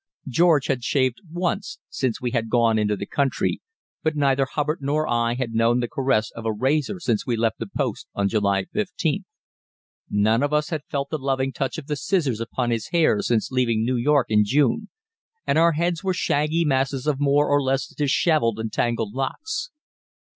George had shaved once since we had gone into the country, but neither Hubbard nor I had known the caress of a razor since we left the post on July 15th. None of us had felt the loving touch of the scissors upon his hair since leaving New York in June, and our heads were shaggy masses of more or less dishevelled and tangled locks.